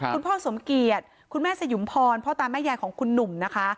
คุณพ่อสมเกียจคุณแม่สยุมพรพ่อตาแม่ยายของคุณหนุ่มนะคะ